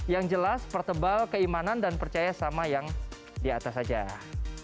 yang jelas pertebal keimanan dan percaya sama yang di atas aja